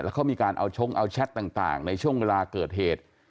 เขามีการเอาชงเอาแชทต่างในช่วงเวลาเกิดเหตุ